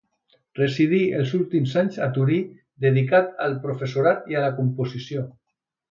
Residí els últims anys a Tori dedicat al professorat i a la composició.